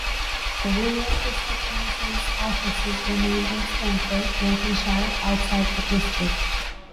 The rural district council's offices remained in Stamford, Lincolnshire, outside the district.